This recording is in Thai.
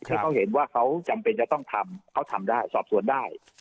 ให้เขาเห็นว่าเขาจำเป็นจะต้องทำเขาทำได้สอบสวนได้